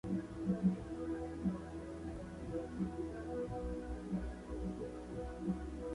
Ramal a Putaendo